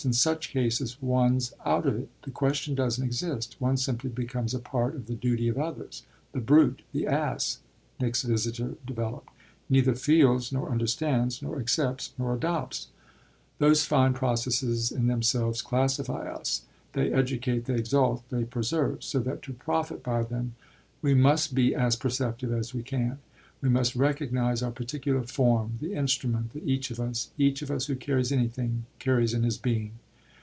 In such cases one's out of it the question doesn't exist; one simply becomes a part of the duty of others. The brute, the ass," Nick's visitor developed, "neither feels nor understands, nor accepts nor adopts. Those fine processes in themselves classify us. They educate, they exalt, they preserve; so that to profit by them we must be as perceptive as we can. We must recognise our particular form, the instrument that each of us each of us who carries anything carries in his being.